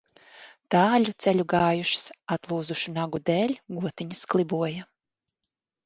Tāļu ceļu gājušas, atlūzušu nagu dēļ gotiņas kliboja.